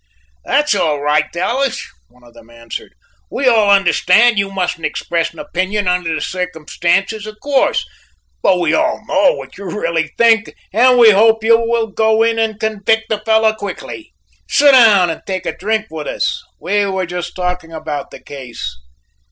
"That's all right, Dallas," one of them answered, "we all understand you mustn't express an opinion under the circumstances of course, but we all know what you really think, and we hope you will go in and convict the fellow quickly. Sit down and take a drink with us, we were just talking about the case."